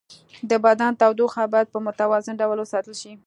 د بدن تودوخه باید په متوازن ډول وساتل شي.